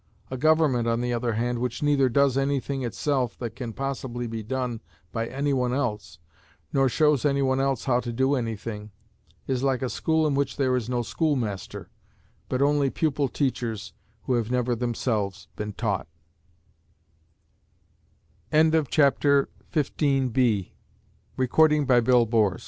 A government, on the other hand, which neither does any thing itself that can possibly be done by any one else, nor shows any one else how to do any thing, is like a school in which there is no schoolmaster, but only pupil teachers who have never themselves been